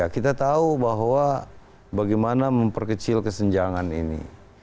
kita tahu bahwa bagaimana memperkecil kesenjangan ini